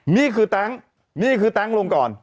นี่คือแต๊งนี่คือแต๊งลงก่อน